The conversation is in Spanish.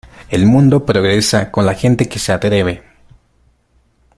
El mundo progresa con la gente que se atreve.